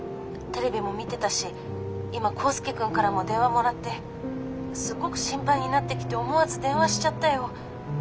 テレビも見てたし今コウスケ君からも電話もらってすっごく心配になってきて思わず電話しちゃったよ。